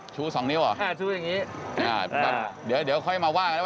อ่าชู้อย่างนี้ครับเดี๋ยวค่อยมาว่ากันแล้ว